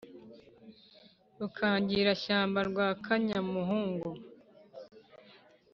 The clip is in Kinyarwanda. Rukangirashyamba rwa Kanyamuhungu